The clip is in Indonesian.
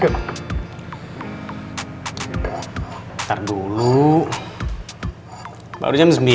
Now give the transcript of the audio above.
terdulu baru jam sembilan gue malu sama pintu mau ngapain lagi ya